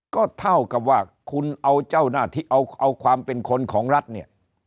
ก็เท่ากับว่าคุณเอาเจ้าหน้าที่เอาความเป็นคนของรัฐเนี่ย